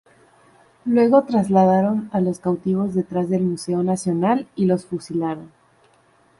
Luego trasladaron a los cautivos detrás del Museo Nacional y los fusilaron.